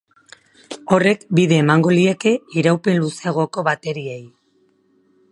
Horrek bide emango lieke iraupen luzeagoko bateriei.